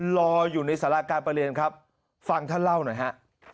รออยู่ในสาราการประเรียนครับฟังท่านเล่าหน่อยฮะ